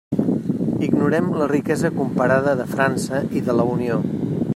Ignorem la riquesa comparada de França i de la Unió.